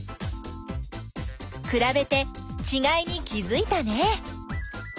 くらべてちがいに気づいたね。